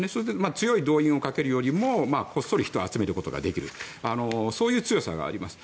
強い動員をかけるよりもこっそり人を集めることができるそういう強さがあります。